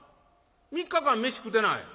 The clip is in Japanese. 「３日間飯食うてない？